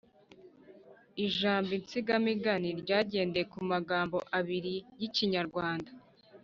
– Ijambo insigamigani ryagendeye ku magambo abiri y’Ikinyarwanda